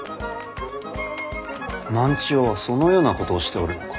万千代はそのようなことをしておるのか。